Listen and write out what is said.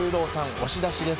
押し出しです。